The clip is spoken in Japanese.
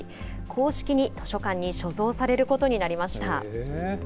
公式に図書館に所蔵されることになりました。